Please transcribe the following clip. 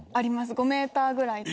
５ｍぐらいとか。